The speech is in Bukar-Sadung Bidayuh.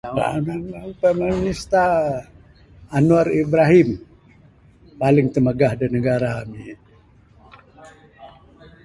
[unintelligible] Prime minister Anwar Ibrahim paling timagah da negara ami